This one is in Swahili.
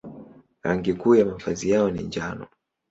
Rangi kuu ya mavazi yao ni njano.